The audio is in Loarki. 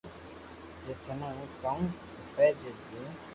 جي ٿني ھون ڪاو کپي جي ديو